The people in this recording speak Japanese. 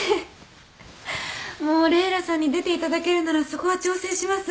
もうレイラさんに出ていただけるならそこは調整します。